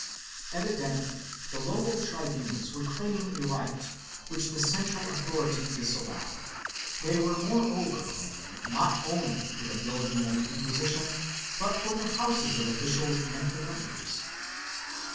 5 Evidently the local tribunals were claiming a right which the central authority disallowed; they were moreover claiming it not only for the building of the Inquisition but for the houses of officials and familiars.